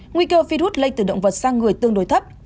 nguy cơ virus lây từ động vật sang người tương đối thấp